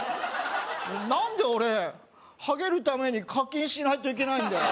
何で俺ハゲるために課金しないといけないんだよ